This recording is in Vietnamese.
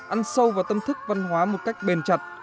ăn sâu vào tâm thức văn hóa một cách bền chặt